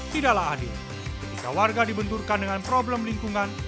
tidaklah adil ketika warga dibenturkan dengan problem lingkungan